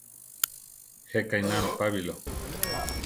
Jéka ináro Pabilo.